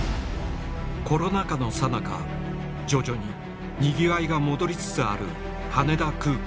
コロナ禍のさなか徐々ににぎわいが戻りつつある羽田空港